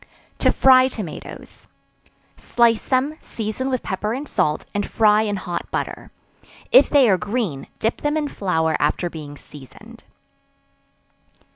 To Fry Tomatoes. Slice them, season with pepper and salt, and fry in hot butter; if they are green, dip them in flour after being seasoned.